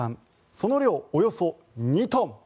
その量、およそ２トン。